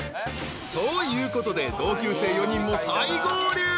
［ということで同級生４人も再合流］